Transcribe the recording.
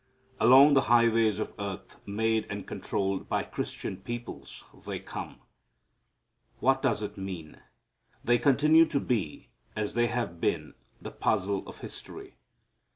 Along the highways of earth, made and controlled by Christian peoples, they come. What does it mean? They continue to be, as they have been, the puzzle of history.